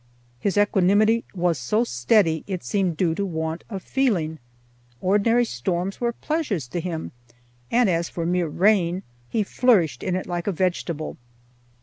His equanimity was so steady it seemed due to want of feeling; ordinary storms were pleasures to him, and as for mere rain, he flourished in it like a vegetable.